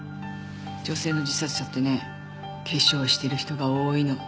女性の自殺者ってね化粧してる人が多いの。